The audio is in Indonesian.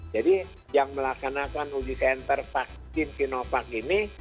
jadi yang melaksanakan uji center vaksin sinovac ini